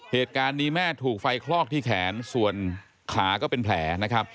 เหตุการณ์นี้แม่ถูกไฟคลอกที่แขนส่วนขาก็เป็นแผลนะครับ